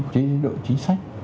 chế độ chính sách